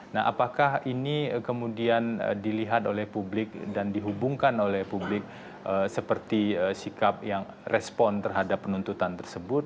nah apakah ini kemudian dilihat oleh publik dan dihubungkan oleh publik seperti sikap yang respon terhadap penuntutan tersebut